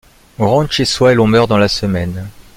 On rentre chez soi, et l’on meurt dans la semaine.